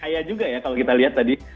kaya juga ya kalau kita lihat tadi